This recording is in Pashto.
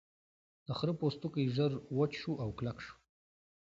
د خرۀ پوستکی ژر وچ شو او کلک شو.